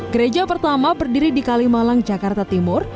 gereja pertama berdiri di kalimalang jakarta timur